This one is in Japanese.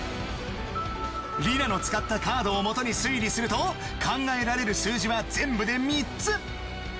リナの使ったカードをもとに推理すると考えられる数字は全部で３つ。